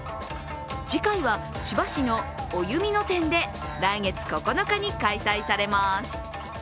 次回は千葉市のおゆみ野店で来月９日に開催されます。